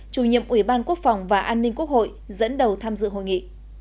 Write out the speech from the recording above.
chủ nhiệm ủy ban quốc phòng và an ninh quốc hội dẫn đầu tham dự hội nghị